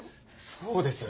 そうです。